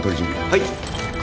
はい。